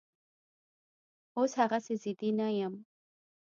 اوس هغسې ضدي نه یم